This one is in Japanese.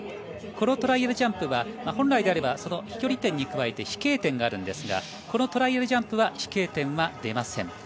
このトライアルジャンプは本来であれば飛距離点に加えて飛型点があるんですがトライアルジャンプは飛型点は出ません。